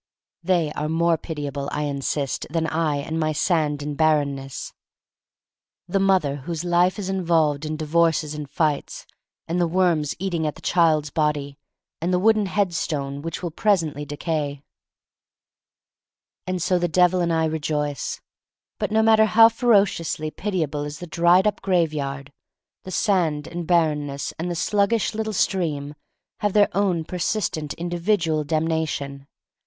They are more pitiable, I insist, than I and my sand and barrenness — the mother whose life is involved in di vorces and fights, and the worms eating at the child's body, and the wooden headstone which will presently decay. 22 THE STORY OF MARY MAC LANE And SO the Devil and I rejoice. But no matter how ferociously piti able is the dried up graveyard, the sand and barrenness and the sluggish little stream have their own persistent indi vidual damnation.